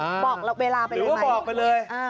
ห้าหกโมงอ่าบอกเราเวลาไปเลยไหมหรือว่าบอกไปเลยอ่า